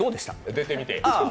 出てみて？